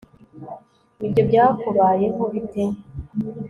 Ibyo byakubayeho bite